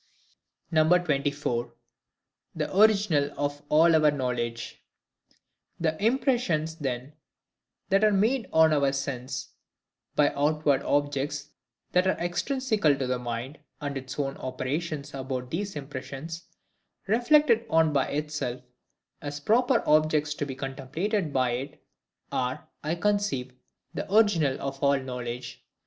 24. The Original of all our Knowledge. The impressions then that are made on our sense by outward objects that are extrinsical to the mind; and its own operations about these impressions, reflected on by itself, as proper objects to be contemplated by it, are, I conceive, the original of all knowledge.